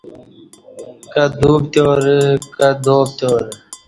کہ دو پتیارہ کہ دا پتیارہ